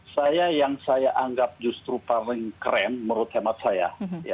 saya yang saya anggap justru paling keren menurut hemat saya